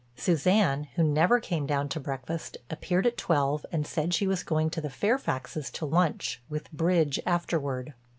Suzanne, who never came down to breakfast, appeared at twelve and said she was going to the Fairfax's to lunch with bridge afterward.